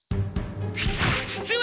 父上！